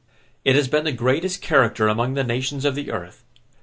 It has been the greatest character among the nations of the earth.